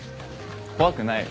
怖くないよ。